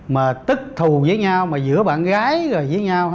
mà tức thù với nhau giữa bạn gái với nhau